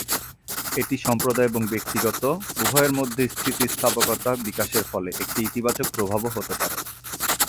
এটি সম্প্রদায় এবং ব্যক্তিগত উভয়ের মধ্যে স্থিতিস্থাপকতা বিকাশের ফলে একটি ইতিবাচক প্রভাবও হতে পারে।